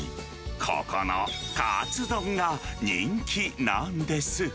ここのかつ丼が人気なんです。